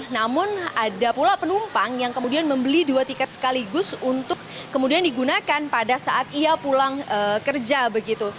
namun ada pula penumpang yang kemudian membeli dua tiket sekaligus untuk kemudian digunakan pada saat ia pulang kerja begitu